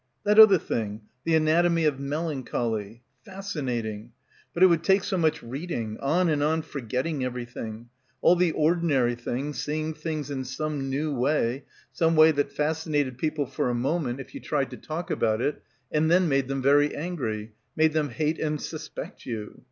That other thing "The Anatomy of Melancholy." Fasci nating. But it would take so much reading, on and on forgetting everything; all the ordinary things, seeing things in some new way, some way that fascinated people for a moment if you tried — 75 — PILGRIMAGE to talk about it and then made them very angry, made them hate and suspect you.